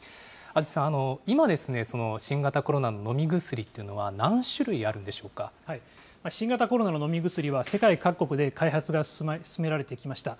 安土さん、今、新型コロナの飲み薬というのは、何種類あるんでし新型コロナの飲み薬は、世界各国で開発が進められてきました。